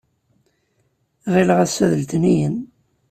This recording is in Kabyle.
Ɣileɣ ass-a d letniyen.